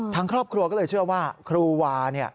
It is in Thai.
ทางครอบครัวก็เลยเชื่อว่าครูวาเนี่ย